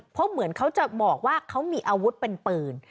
เพราะเหมือนเขาจะบอกว่าเขามีอาวุธเป็นปืน